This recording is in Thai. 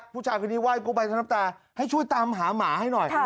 ผู้ชายคนนี้ไห้กู้ภัยทั้งน้ำตาให้ช่วยตามหาหมาให้หน่อย